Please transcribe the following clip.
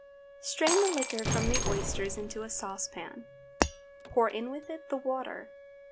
Strain the liquor from the oysters into a saucepan, pour in with it the water.